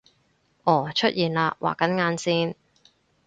噢出現喇畫緊眼線！